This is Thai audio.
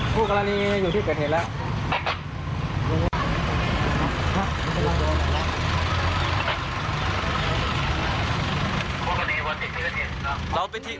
พวกเกราะนี้อยู่ที่เกิดเห็นแล้ว